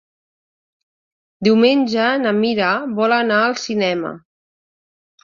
Diumenge na Mira vol anar al cinema.